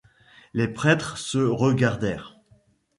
Les prêtres se regardèrent.